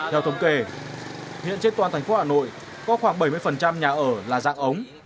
theo thống kể hiện trên toàn thành phố hà nội có khoảng bảy mươi nhà ở là dạng ống